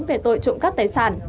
về tội trộm cắp tài sản